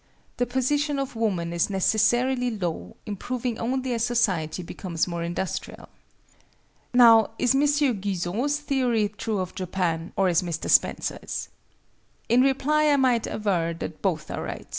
the position of woman is necessarily low, improving only as society becomes more industrial. Now is M. Guizot's theory true of Japan, or is Mr. Spencer's? In reply I might aver that both are right.